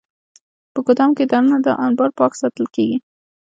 په ګدام کې دننه دا انبار پاک ساتل کېږي.